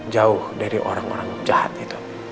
jauh dari orang orang jahat itu